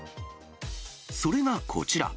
それがこちら。